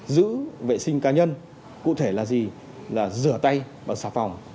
giữ vệ sinh cá nhân cụ thể là gì là rửa tay bằng xà phòng